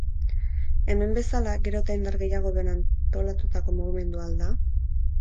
Hemen bezala, gero eta indar gehiago duen antolatutako mugimendua al da?